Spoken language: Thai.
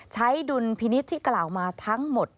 ดุลพินิษฐ์ที่กล่าวมาทั้งหมด